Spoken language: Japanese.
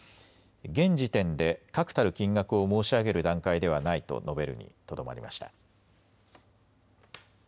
現時点で確たる金額を申し上げる段階ではないと述べるにとどまりました。